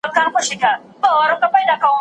هغه خپله دنده تر ژوند غوره ګڼي.